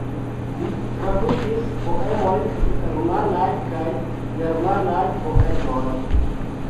Li tradukis poemojn de rumanaj kaj germanaj poetoj.